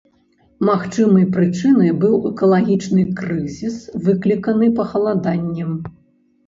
Магчымай прычынай быў экалагічны крызіс, выкліканы пахаладаннем.